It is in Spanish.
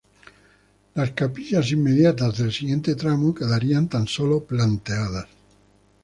Las capillas inmediatas del siguiente tramo quedarían tan sólo planteadas.